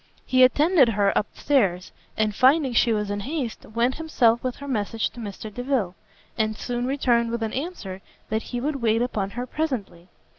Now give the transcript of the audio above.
He attended her up stairs; and finding she was in haste, went himself with her message to Mr Delvile: and soon returned with an answer that he would wait upon her presently.